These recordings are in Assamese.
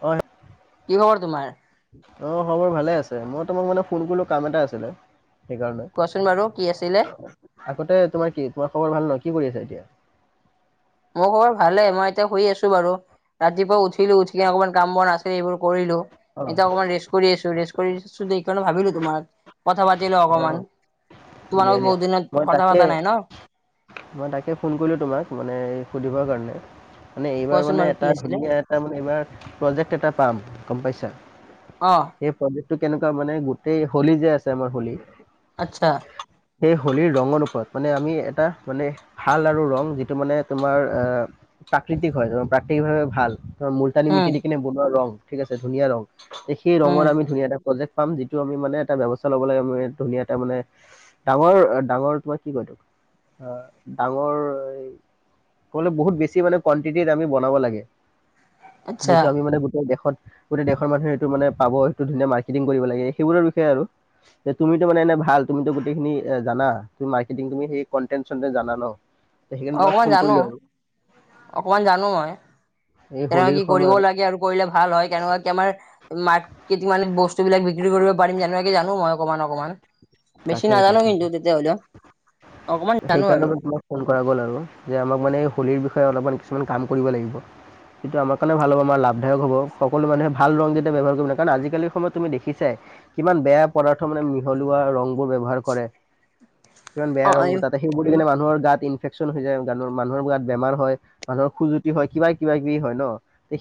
অ। কি খবৰ তোমাৰ- অ খবৰ ভালে আছে মই তোমাক মানে ফোন কৰিলো কাম এটা আছিলে- সেইকাৰণে কোৱাচোন বাৰু কি আছিলে? আগতে তোমাৰ কি তোমাৰ খবৰ ভাল ন কি- কি কৰি আছা এতিয়া। মোৰ খবৰ ভালে মই এতিয়া শুই আছো বাৰু। ৰাতিপুৱা উঠিলো উঠি কিনে অকণমান কাম বন আছিলে এইবোৰ কৰিলো অ এতিয়া অকমান ৰেষ্ট্ কৰি আছো ৰে- কৰি আছোঁ সেইকাৰণে ভাবিলো তোমাৰ কথা পাতিলো অ অকমান। তোমাৰ দিয়া লগত দিয়া বহুত দিনত মই কথা তাকে পাতা নাই ন। মই তাকে ফোন কৰিলোঁ তোমাক মানে এই সুধিবৰ কাৰণে- মানে এইবাৰ কোৱাচোন মানে বাৰু কি এটা আছিলে? ধুনীয়া এটা মানে এইবাৰ প্ৰজেক্ট এটা পাম গম পাইছা- অ সেই প্ৰজেক্ট টো কেনেকুৱা মানে গোটেই হোলী যে আছে আমাৰ হোলী - আচ্ছা সেই হোলীৰ ৰঙৰ ওপৰত মানে আমি এটা- মানে ভাল আৰু ৰং যিটো মানে তোমাৰ আহ প্ৰাকৃতিক হয় তোমাৰ প্ৰাকৃতিকভাৱে ভাল- ধ, মূলতানী উম মিটি দি কিনে বনোৱা ৰং, ঠিক আছে, ধুনীয়া ৰং। তে, সেই উম ৰঙৰ, আমি ধুনীয়া এটা প্ৰজেক্ট পাম, যিটো আমি, মানে, এটা ব্যৱস্থা ল'বলৈ, আমি ধুনীয়া এটা, মানে, ডাঙৰ ডাঙৰ তোমাৰ কৰি তোক আ', আগৰ এই ক'লে, বহুত বেছি মানে কোৱান্টিটি আমি বনাব লাগে, আচ্ছা যিটো আমি মানে গোটেই দেশত গোটেই দেশৰ মানুহে সেইটো, মানে, পাব। সেইটো ধুনীয়া মাৰ্কেটিং কৰিব লাগে। সেইবোৰৰ বিষয়ে, আৰু যে তুমিতো, মানে, এনে ভাল, তুমিতো গোটেইখিনি এ জানা। মাৰ্কেটিং, তুমি সেই কণ্টেট-চণ্টেট জানা, ন? সেইকন অকমান ফোন জানো কৰিলো আৰু- অকমান জানো মই। এই তেনেকুৱা হোলীৰ কি কৰিব সময়ত লাগে, আৰু কৰিলে ভাল হয়? কেনেকৱাকৈ কেমাৰ মাকটিং, মানে, বস্তুবিলাক বিক্ৰী কৰিব পাৰিম, যেনেকে জানো। মই অকণমান অকণমান, বেছি তাকেই নাজানো। কিন্তু নেজানো তাকে কিন্তু তেতিয়াহ'লে [unintelligible] কৰা গ'ল, আৰু যে আমাক মানে হোলীৰ বিষয়ে অলপমান কিছুমান কাম কৰিব লাগিব। সেইটো আমাৰ কাৰণে ভাল হ'ব, আমাৰ লাভদয়ক হ'ব। সকলো মানুহে ভাল ৰং কেইটা ব্যৱহাৰ কৰিব, কাৰণ আজিকালিৰ সময়ত তুমি দেখিছাই। কিমান বেয়া পদাৰ্থ মিহলোৱা ৰংবোৰ ব্যৱহাৰ কৰে, কিমান অ বেয়া ৰং ব্যৱহাৰ কৰে। সেই বুলিলে মানুহৰ গাত ইনফেকচন হৈ যায়, মানুহৰ গাঁত বেমাৰ হয়, মানুহৰ খজুতি হয়, কিবা কিবা কিবি হয় ন,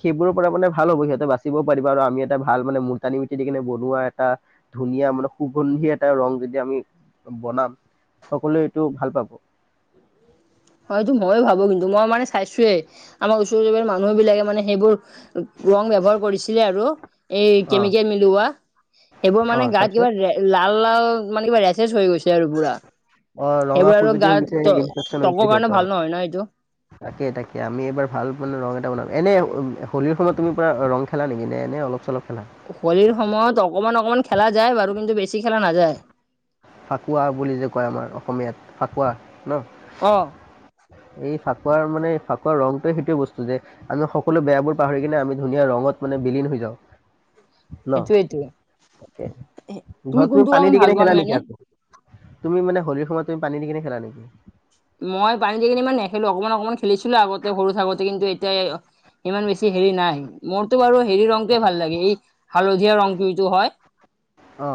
সেইবোৰৰ পৰা মানে ভাল হ'ব, সিহঁতে বাচিবও পাৰিব, আৰু আমি এটা ভাল মানে মুলতানী মিটি কিনে বনোৱা। এটা ধুনীয়া মানে সুগন্ধি এটা ৰং যদি আমি বনাম, সকলোৱে টো ভাল পাব। হয়টো ময়ো ভাবো, কিন্তু মই মানে চাইছোয়েই, আমাৰ ওচৰ-চুবুয়া মানুহবিলাকে মানে সেইবোৰ ৰং ব্যৱহাৰ কৰিছিলে আৰু এই অ কেমিকেল মিলোৱা সেইবোৰ, অ মানে গাত কিবা তাৰপিছত লে, লাল লাল। মানে কিবা ৰেচেছ হৈ গৈছে, আৰু পুৰা। অ', ৰঙা, সেইবোৰ আৰু খজুৱতি গাত হৈছে, ইনফেকচন ত্বকৰ হৈছে কাৰণে ভাল সিহঁতৰ। নহয় ন এইটো তাকে তাকে, আমি এইবাৰ ভাল, মানে, ৰং এটা বনাল। এনে- হোলীৰ সময়ত তুমি পুৰা ৰং খেলা নেকি, নে এনে অলপ-চলপ? হোলীৰ সময়ত অকমান অকমান খেলা যায় বাৰু, কিন্তু বেছি খেলা নাযায়। ফাকুৱা বুলি যে কয়, আমাৰ অসমীয়াত ফাকুৱা, ন? অ এই ফাকুৱা, মানে ফাকুৱাৰ ৰংটোৱে, সিটো বস্তু যে আমি সকলো বেয়াবোৰ পাহৰি কিনে, আমি ধুনীয়া ৰঙত মা নে, বিলীন হৈ যাওঁ। ন, সেইটোয়েইটো তাকে ঘৰত তুমি কোনটো ৰং পানী দি ভাল কেনে পোৱা নো খেলা নেকি এনে আকৌ? তুমি, মানে, হোলীৰ সময়ত তুমি পানী দি কিনে খেলা নেকি? মই পানীকে কিনি ইমান নেখেলোঁ। অকণমান, অকণমান খেলিছিলোঁ আগতে সৰু থাকোঁতে, কিন্তু এতিয়া, এ, অ'। ইমান বেছি হেৰি নাই মোৰতো, বাৰু। হেৰি, ৰংটোৱেই ভাল লাগে। এই হালধীয়া ৰংটোটো হয়। অ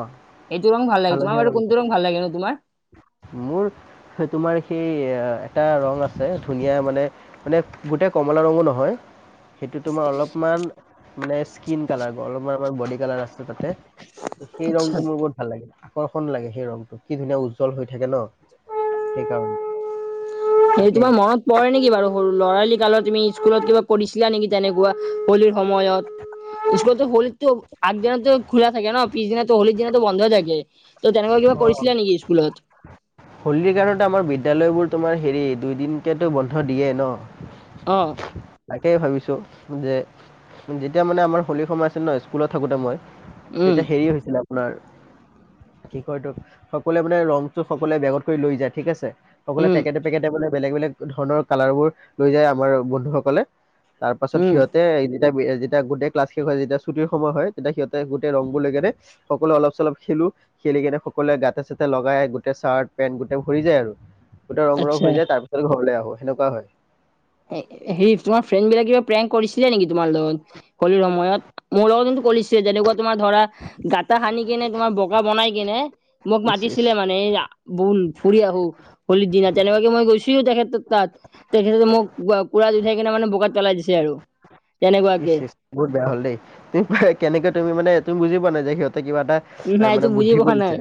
এইটো ৰং ভাল লাগে তোমাৰ। হালধীয়া বাৰু, ৰংটো কোনটো ৰং ভাল লাগে নো তোমাৰ? মোৰ, তোমাৰ সেই এ, ' এটা ৰং আছে ধুনীয়া। মানে, গোটা। কমলা ৰঙো নহয়। সেইটো তোমাৰ অলপমান, মানে, স্কিন কালাৰ, অলপ বডি কালাৰ আছে তাতে। সেই ৰংটো মোৰ বহুত ভাল লাগে। আকৰ্ষণ লাগে। সেই ৰংটো কি ধুনীয়া, উজ্জ্বল হৈ থাকে, ন? সেইকাৰ সেই, তোমাৰ মনত পৰে নেকি বাৰু, সৰু ল'ৰালি কালত, তুমি? স্কুলত কিবা পৰিছিলা নেকি, তেনেকুৱা, হোলীৰ সময়ত? স্কুলতো হোলীৰতো - আগদিনাতো খোলা থাকে ন পিছদিনাটো হোলিৰ দিনাতো বন্ধ হৈ থাকে। ত, তেনেকুৱা কিবা অ কৰিছিলা নেকি স্কুলত? হোলীৰ কাৰণত আমাৰ বিদ্যালয়বোৰ, তোমাৰ হেৰি, দুইদিনকেটো বন্ধ দিয়ে, ন? অ তাকেই ভাবিছোঁ যে, যেতিয়া, মানে, আমাৰ হোলীৰ সময় আহে ন, স্কুলত থাকোঁতে, মই উম তেতিয়া, হেৰি, হৈছিলে, আপোনাৰ, কি কয়তো, সকলোৱে, মানে, ৰংটো সম সকলে বেগত কৰি লৈ যায়, ঠিক আছে। অকলে উম পেকেট-পেকেটে বোলে বেলেগ বেলেগ ধৰণৰ কালাৰবোৰ লৈ যায় আমাৰ বন্ধুসকলে। তাৰ পাছত, উম সিহঁতে এদিন টেগ বিয়ে, যেতিয়া গোটেই ক্লাছ শেষ হয়, যেতিয়া ছুটিৰ সময় হয়, তেতিয়া সিহঁতে গোটেই ৰংবোৰ লৈ কিনে, সকলো অলপ-চলপ খেল টো, খেলি কিনে, সকলোৱে গাতে- চাতে লগাই গোট গো চাৰ্ট পেণ্ট গোটেই ভৰি যায় আৰু গোটেই ৰং ৰং আচ্ছা হৈ যায় তাৰ পিছত ঘৰলৈ আহো সেনেকুৱা হয়। হেৰি তোমাৰ ফ্ৰেণ্ড বিলাক কিবা প্ৰেং কৰিছিলে নেকি তোমাৰ লগত হলিৰ সময়ত? মোৰ লগত কিন্তু কৰিলছে যেনেকুৱা তোমাৰ ধৰা গাটা সানি কিনে তোমাৰ বোকা বনাই কিনে মোক ইচ ইচ মাতিছিলে মানে বোন ফুৰি আহো হলীৰ দিনা তেনেকাকে মই গৈছো তেখেতৰ তাত তেখেততে মোক কুৰা জ উঠাই কিনে মানে বোকাত পলাই দিছে আৰু। ইচ, তেনেকুৱাকে ইচ, বহুত বেয়া হল দেই কেনেকে তুমি মানে তুমি বুজি পোৱা নাই যে সিহঁত কিবা এটা এ মানে নাইতো বুজি বুদ্ধি পোৱা কৰিছে নাই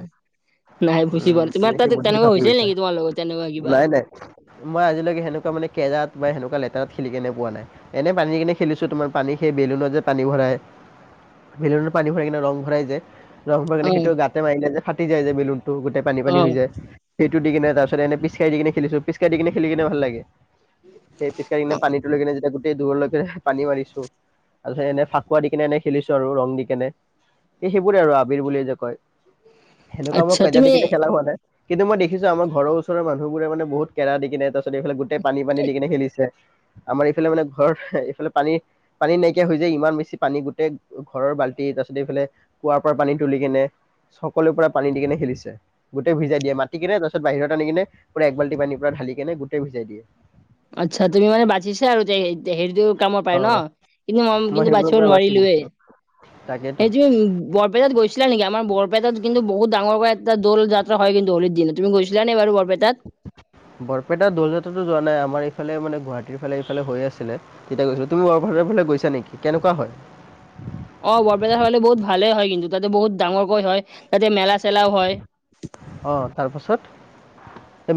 নাই বুজি উম, পোৱা নাই তোমাৰ তুমি সেই তাত বুদ্ধিত তেনেকুৱা ফাছি হৈছিল গৈছা, নেকি তোমাৰ লগত তেনেকুৱা কিবা ওলাই নাই? মই আজিলৈকে সেনেকুৱা মানে কেজাত বা সেনেকুৱা লেতেৰাত খেলি কেনে পোৱা নাই, এনে পাণী কিনে খেলিছো তোমাৰ পানী সেই বেলুনত যে পানী ভৰাই, বেলুনত পানী ভৰাই কিনে ৰং ভৰাই যে ৰং কাৰনে অ সেইটো গাতে মাৰিলে যে ফাটি যায় যে বেলুনটো গোটেই পানী অ পানী হৈ যায়। সেইটো দি কিনে তাৰ পিছ এনে পিচকাই দি কিনে খেলিছোঁ, পিচকাই দি কিনে খেলি কিনে ভাল লাগে। সেই পিচকাৰি কিনে পানীটো লৈ কিনে গোটেই দূৰলৈকে পানী মাৰিছো তাৰপিছত এনে ফাকুৱা দি কেনে এনে খেলিছো আৰু ৰং দি কেনে। এই সেইবোৰে আৰু আবিৰ বুলি যে কয়, সেনেকুৱা মই আচ্ছা কইজা দি কেনে তুমি খেলা হোৱা নাই কিন্তু মই দে দেখিছো আমাৰ ঘৰ ওচৰৰ মানুহবোৰে মানে বহুত কেৰা দি কিনে তাৰিছত, এইফালে গোটেই পানী দি কিনে খেলিছে আমাৰ এইফালে মানে ঘৰ এইফালে পানী পানী নাইকিয়া হৈ যায় ইমান বেছি পানী গোটেই ঘৰৰ বাল্টি তাৰ পাছত এইফালে কুঁৱাৰ পৰা পানী তুলি কেনে সকলো পোৰা পানী দি কিনে খেলিছে গোটেই ভিজাই দিয়ে মাতি কিনে তাৰপিছত বাহিৰত আনি কিনে পুৰা এক বাল্টি পানীৰ পৰা ঢালি কেনে গোটেই ভিজাই দিয়ে। আচ্ছা তুমি মানে বাচিছা আৰু হেৰিটো কামৰ পাই অ, ন? কিন্তু ম মই কিন্তু সেইবোৰৰ বাচিব পৰা বাচি গৈছো নোৱাৰিলোৱে। তাকেতো সটো উ বৰপেটাত গৈছিলা নেকি আমাৰ বৰপেটাত কিন্তু বহুত ডাঙৰকৈ এটা দল জাত হয় কিন্তু হলীৰ দিন তুমি গৈছিলা নি বাৰু বৰপেটাত বৰপেটা দল যাত্ৰাটো যোৱা নাই আমাৰ ইফালে মানে গুৱাহাটীৰ ফালে ইফালে হৈ আছিলে তেতিয়া গৈছিলো, তুমি বৰপেটাৰ ফালে গৈছা নিকি কেনেুৱা হয়? [inaudible] অ', বৰপেটা ফালে বহুত ভালে হয় কিন্তু তাতে বহুত ডাঙৰকৈ হয়, তাতে মেলা চেলাও হয়। অ', তাৰপাছত?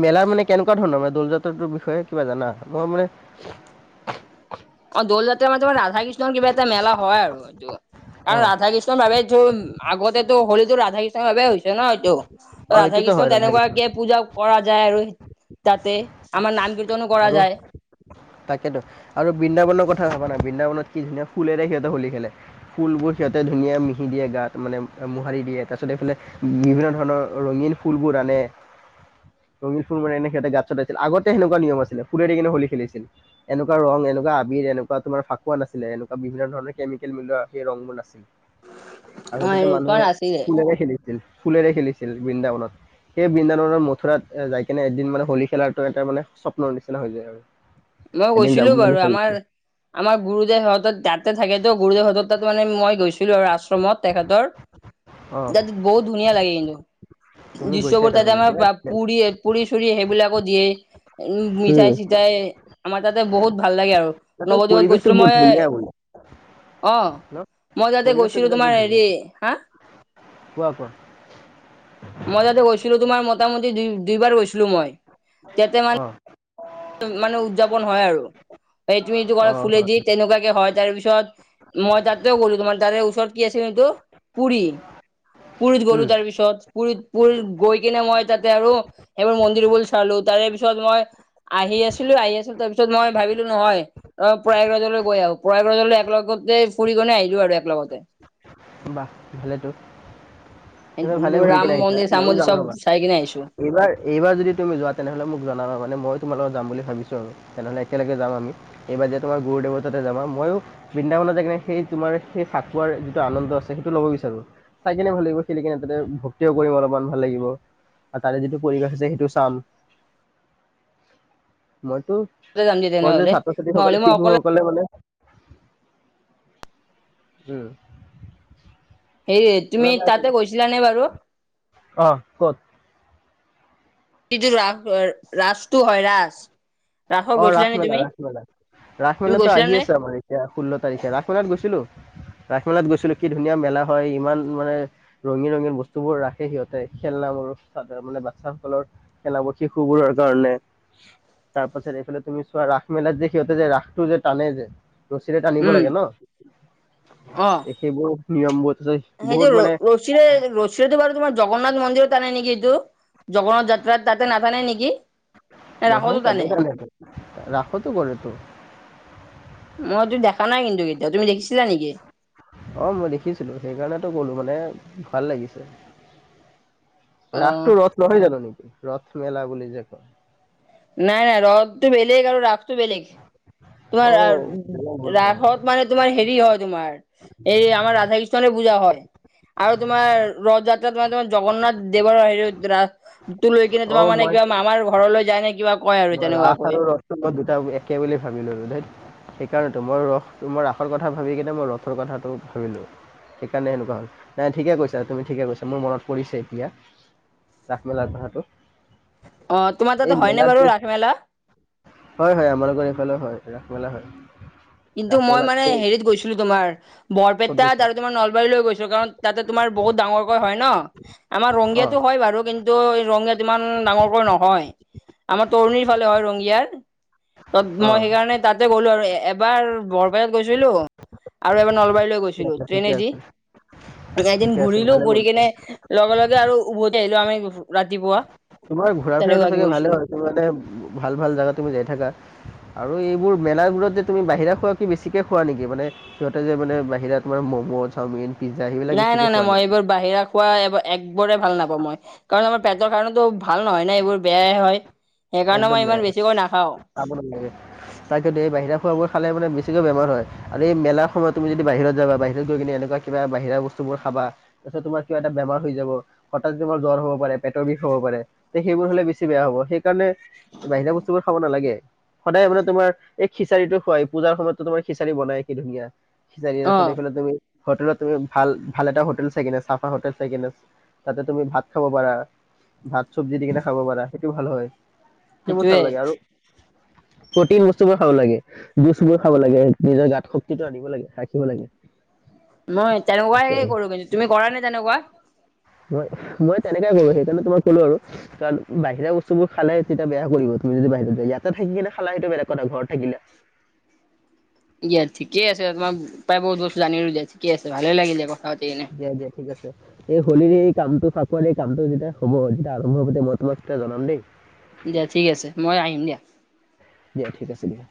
মেলাৰ মানে কেনেকুৱা ধৰণৰ মানে দৌল জাত্ৰৰ বিষয়ে কিবা জানা, মই মানে অ', দৌল যাত্ৰাৰ মানে তোমাৰ ৰাধা কৃষ্ণৰ কিবা এটা মেলা হয় আৰু এইটো কাৰণ অঁ ৰাধা কৃষ্ণৰ বাবে এইটো আগতেতো হোলীতো ৰাধা কৃষ্ণৰ বাবে হৈছে ন এইটো অঁ ৰাধা এইটোতো হয় কৃষ্ণ তেনেকুৱাকে পূজা কৰা যায় আৰু তাতে আমাৰ নাম কীৰ্তনো কৰা আৰু যায়। তাকেতো আৰু বৃন্দাবনৰ কথা ভবা না বৃন্দাবনত কি ধুনীয়া ফুলেৰে সিহঁতে হলি খেলে ফুলবোৰ সিহঁতে ধুনীয়া মিহি দিয়ে গাত মানে মোহাৰি দিয়ে তাৰ পছত এইফালে বিভিন্ন ধৰণৰ ৰঙীন ফুলবোৰ মানে ৰঙিল ফুল মানে এনে সিহঁতে গাত চতাইছিল আগতে সনেকুৱা নিয়ম আছিল ফুলে দি কিনে হলী খেলিছিল। এনেকুৱা ৰং, এনেকুৱা আবিৰ, এনেকুৱা তোমাৰ ফাকুৱা নাছিলে, এনেকুৱা বিভিন্ন ধৰণৰ কেমিকেল মিলোৱা সেই ৰংবোৰ নাছিল। অ আগতেতো এনেকুৱা মানুহে নাছিলে ফুলেৰে খেলিছিল ফুলেৰে খেলিছিল বৃন্দাবনত। সেই বৃন্দাবনৰ মথুৰাত যাই কিনে এদিন মানে হোলী খেলাটো এটা মানে স্বপ্নৰ নিচিনা হৈ যায় আৰু। মই এদিন যাম গৈছিলো বুলি বাৰু ভাবিছো আমাৰ আমাৰ গুৰুদেৱহঁত তাতে থাকেটো গুৰুদেৱহঁত তাত মানে মই গৈছিলো আৰু আ মত তেখেতৰ অ বহুত ধুনীয়া লাগে কিন্তু তুমি গৈছাই দৃশ্যবোৰ তাতে তাৰমানে দিয়া আমাৰ ঠিকে আছে। পুৰি পুৰি চুৰি সেইবিলাকো দিয়ে উম, উম, মিঠাই চিঠাই আমাৰ তাতে বহুত ভাল লাগে আৰু তাতে নৱদ্বীপত পৰিৱেশটো গৈছিলো বহুত মই ধুনীয়া বোলে অ', ন মই তাতে পৰিৱেশটো গৈছিলো তোমাৰ বহুত ধুনীয়া হাঁ? কোৱা কোৱা মই যাতে গৈছিলোঁ তোমাৰ মোটামুটি দুই দুইবাৰ গৈছিলোঁ মই, তাতে অ মানে মানে উদযাপন হয় আৰু, সেই তুমিটো ক'লা অ ফুলেদি হয় তেনেকুৱাকে হয় তাৰপিছত। মই তাতেও গ'লো তোমাৰ তাৰে ওচৰত কি আছিল সেইটো পুৰী। পুুৰীত গ'লো উম তাৰপিছত। পুুৰীত পুৰীত গৈ কিনে মই তাতে আৰু সেইবোৰ মন্দিৰবোৰ চালো তাৰে পিছত মই আহি আছিলোঁ আহি আছিলোঁ তাৰপিছত মই ভাবিলোঁ নহয় অ' পৰয়াগৰাজলৈ গৈ আহো পৰয়াগৰাজলৈ একে লগ [unintelligible] ফুৰি কিনে আহিলোঁ আৰু এক লগতেৱ বা ভালেতো, তুমি ভালে ঘূৰি ৰাম কিনে আহিছা মন্দিৰ চাম ময়ো মন্দিৰ যাম চব ৰ'বা। চাই কিনে আহিছো এইবাৰ এইবাৰ যদি তুমি যোৱা তেনেহলে মোক জনাবা মানে মই তোমাৰ লগত যাম বুলি ভাবিছোঁ আৰু তেনেহ'লে একেলগে যাম আমি এইবাৰ যে তোমাৰ গুৰুদেৱৰ তাতে যাবা ময়ো বৃন্দা [unintelligible] যায় কিনে সেই তোমাৰ সেই ফাকুৱাৰ আনন্দ আছে সেইটো ল'ব বিচাৰো, চাই কিনে ভাল লাগিব খেলি কিনে তাতে ভক্তিও কৰিম অলপমান ভাল লাগিব। আৰু তাৰে যিটো পৰিৱেশ আছে সেইটো চাম। মইতো, যাম দিয়া কয় যে তেনেহলে ছাত্ৰ ছাত্ৰীসকলে নহ'লে মই অকলে শিশুসকলে মানে উম। সেয়ে তুমি শুনা পাই আছা ন তাতে গৈছিলানে বাৰু। অ ক'ত [unintelligible] ৰাস ৰাজটো হয় ৰাজ। অ' ৰাসমেলা ৰাসমেলা। তুমি ৰাসমেলাটো গৈছিলা আহি নে আছে আমাৰ এতিয়া ষোল্ল তাৰিখে ৰাসমেলাত গৈছিলোঁ, ৰাসমেলাত গৈছ [unintelligible] কি ধুনীয়া মেলা হয় ইমান মানে ৰঙীন ৰঙীন বস্তুবোৰ ৰাখে সিহঁতে খেলনাবোৰ মানে বাচ্ছাসকলৰ খেলাব শিশু বোৰৰ কাৰণে, তাৰ তাৰ পাছত এইফালে তুমি চোৱা ৰাস মেলাত যে সিহঁতে যে ৰাসটো যে টানে যে। ৰছীৰে টানিব উম লাগে ন'। সেইবোৰ নিয়মবোৰ অ' বহুত সেইটো ৰ মানে ৰছীৰে ৰছীৰেটো বাৰু তোমাৰ জগন্নাথ মন্দিৰত টানে নেকি। [unintelligible] জগন্নাথ যাত্ৰা তাতে নাটানে নেকি, না ৰাসটো টানে। ৰাসটো কৰেতো। মইতো দেখা নাই কিন্তু কেতিয়াও তুমি দেখিছিলা নেকি। অ' মই দেখিছিলো সেইকাৰণেতো ক'লো মানে ভাল লাগিছে। অ ৰাসটো ৰথ নহয় জানো নেকি ৰথ মেলা বুলি যে কয়। নাই নাই ৰথটো বেলেগ আৰু ৰাসটো বেলেগ। অ তোমাৰ ভুল ৰা- হয় ৰাসত মানে তোমাৰ হেৰি হয় তোমাৰ। এই আমাৰ ৰাধা কৃষ্ণনে পূজা হয়, আৰু তোমাৰ ৰথ যাত্ৰাত [unintelligible] তোমাৰ জগন্নাথ দেৱৰ হেৰি ৰাথটো লৈ কিনে অ তোমাৰ মানে মই কিবা মামাৰ ঘৰলৈ যায় নেকি। মই ৰাস আৰু ৰথটো দুটা একে বুলি ভাবি ল'লো ধেত। সেইকাৰণেতো মই ৰসটো মোৰ ৰাসৰ কথা ভাবি কিনে মই ৰথৰ কথাটো ভাবিলোঁ। সেইকাৰণে সেনেকুৱা হ'ল, নাই ঠিকে কৈছা তুমি ঠিকে কৈছা মোৰ মনত পৰিছে এতিয়া। ৰাস মেলাৰ কথাটো। অ' তোমাৰ এই তাতে হয় নে মেলাত বাৰু যে ৰা হয় হয় আমাৰ লোকৰ এইফালে হয়, ৰাসমেলা হয়। কিন্তু ৰাস মই মেলাত মানে সেই হেৰিত গৈছিলোঁ তোমাৰ ক'ত বৰপেটাত গৈছিলা আৰু তোমাৰ নলবাৰীলৈ গৈছোঁ কাৰণ তাতে তোমাৰ বহুত ডাঙৰকৈ হয় ন' আমাৰ অ ৰঙিয়াতো হয় বাৰু কিন্তু [unintelligible] এই ৰঙিয়াত ইমান ডাঙৰকৈ নহয়, আমাৰ তৰণীৰ ফালে হয় ৰঙিয়াৰ। [unintelligible] অ মই সেইকাৰণে তাতে গ'লো আৰু এব- এ এবাৰ বৰপোত গৈছিলোঁ, আৰু এবাৰ নলবাৰীলৈ ঠিক গৈছিলোঁ আছে ট্ৰেইনে ঠিকে দি। আছে এদিন ঠিকে আছে ঘূৰিলো ভালে ঘূৰি কৰিছা কিনে লগে লগে আৰু উভতি আহিলোঁ আমি ৰাতিপুৱা। তোমাৰ ঘূৰা ফুৰাটো তেনেকুৱাকে চাগে ভালে গৈছিলো হয় তুমি মানে ভাল ভাল জাগাত তুমি যাই থাকা। আৰু এইবোৰ মেলাৰ গোৰত যে তুমি বাহিৰা খোৱা কি বেছিকৈ খোৱা নেকি মানে সিহঁতে যে মানে বাহিৰা তোমাৰ মোমো [unintelligible] চাওমিন। পিজ্জা সেইবিলাক নাই নাই বেছিকৈ নাই খোৱা মই নেকি এইবোৰ বাহিৰা খোৱা এ একবৰে ভাল নাপাওঁ মই, কাৰণ পেটৰ কাৰণেতো ভাল নহয় নাই এইবোৰ বেয়াই হয়। সেইকাৰণে একদম মই ইমান বেয়া, বেছিকৈ নাখাও খাব নালাগে তাকেটো বাহিৰা খোৱাবোৰ খালে মানে বেছিকৈ বেমাৰ হয় আৰু এই মেলাৰ সময়ত তুমি যেতিয়া বাহিৰত যাবা, বাহিৰত গৈ কিনে এনেকুৱা কিবা বাহিৰা বস্তুবোৰ খাবা। তাৰপিছত কিবা এটা বেমাৰ হৈ যাব, হঠাৎ তোমাৰ জ্বৰ হ'ব পাৰে, পেটৰ বিষ হ'ব পাৰে, তে সেইবোৰ হলে বেছি বেয়া হ'ব সেই সেই কাৰণে বাহিৰা বস্তু বোৰ খাব নালাগে। সদায় মানে তোমাৰ এই খিচাৰিটো খোৱাই, পূজাৰ সময়তো তোমাৰ খিচাৰি বনাই, কি ধুনীয়া। খিচাৰি অ তাৰপিছত এইফালে তুমি হোটেলত তুমি ভাল, ভাল এটা হোটেল চাইকিনে চাফা হোটেল চাইকিনে তাতে তুমি ভাত খাব পাৰা। ভাত চব্জি দি কিনে খাব পাৰা সেইটোও ভাল হয়, সেইবোৰ সেইটোয়ে চাব লাগে আৰু প্ৰটিন বস্তুবোৰ খাব লাগে, জুচবোৰ খাব লাগে, নিজৰ গাত শক্তিটো আনিব লাগে, ৰাখিব লাগে। মই তেনেকুৱা এ কৰো কিন্তু, তুমি কৰা নে তেনেকুৱা? ম মই তেনেকুৱাই কৰো সেইকাৰণে তোমাক ক'লো আৰু কাৰণ বাহিৰা বস্তুবোৰ খালে তেতিয়া বেয়া কৰিব। তুমি যদি বাহিৰত যোৱা ইয়াতে থাকি কিনে খালা সেইটো বেলেগ কথা, ঘৰত থাকিলে। ঠিক আ ঠিকে আছে তোমাৰ প্ৰায় বহু বস্তু জানিলো দিয়া ঠিকে আছে ভালেই লাগিল। কথা পাতি কিনে দিয়া, দিয়া ঠিক আছে। এই হোলীৰ এই কামটো ফাকুৱাৰ এই কামটো যেতিয়া হ'ব তেতিয়া আৰম্ভ হওঁতে মই তোমাক তেতিয়া জনাম দেই। দিয়া ঠিক আছে, মই আহিম দিয়া। দিয়া, ঠিক আছে দিয়া।